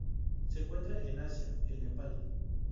Se encuentran en Asia: el Nepal.